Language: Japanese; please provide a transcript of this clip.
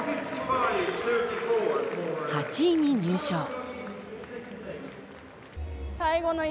８位に入賞。